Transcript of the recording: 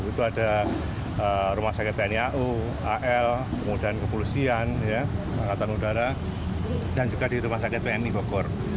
itu ada rumah sakit pnau al kemudian kepolisian pakatan udara dan juga di rumah sakit pni bogor